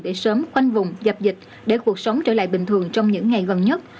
để sớm khoanh vùng dập dịch để cuộc sống trở lại bình thường trong những ngày gần nhất